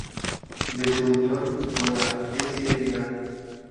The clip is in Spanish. De su unión con la Sra.